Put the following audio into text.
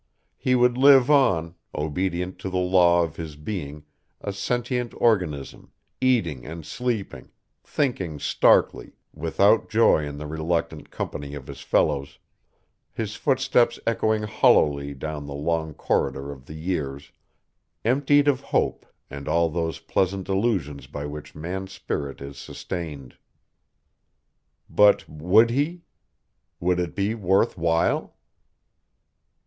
He would live on, obedient to the law of his being, a sentient organism, eating and sleeping, thinking starkly, without joy in the reluctant company of his fellows, his footsteps echoing hollowly down the long corridor of the years, emptied of hope and all those pleasant illusions by which man's spirit is sustained. But would he? Would it be worth while?